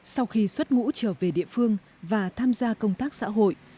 sau khi xuất ngũ trở về địa phương và tham gia công tác xã hội